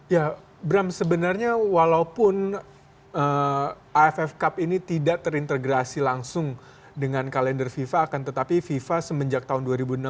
ya bram sebenarnya walaupun aff cup ini tidak terintegrasi langsung dengan kalender fifa akan tetapi fifa semenjak tahun dua ribu enam belas